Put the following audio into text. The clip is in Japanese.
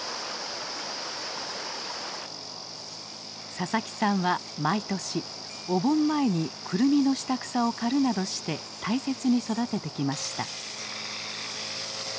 佐々木さんは毎年お盆前にクルミの下草を刈るなどして大切に育ててきました。